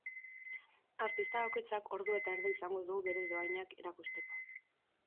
Artista bakoitzak ordu eta erdi izango du bere dohainak erakusteko.